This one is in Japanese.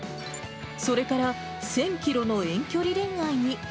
それから１０００キロの遠距離恋愛に。